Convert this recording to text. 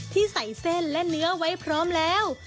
ที่ใส่เส้นและเนื้อไว้พร้อมแล้ว